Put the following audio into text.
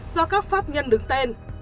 do các pháp nhân đứng tên